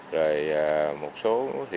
rồi một số